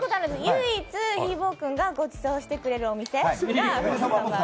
唯一ひーぼぉくんがごちそうしてくれるお店。